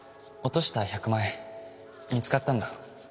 落とした１００万円見つかったんだ。